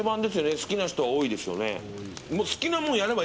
好きな人は多いですよね。